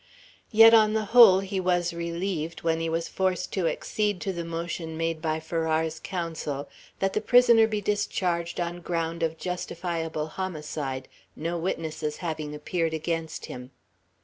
Yet, on the whole, he was relieved when he was forced to accede to the motion made by Farrar's counsel, that "the prisoner be discharged on ground of justifiable homicide, no witnesses having appeared against him."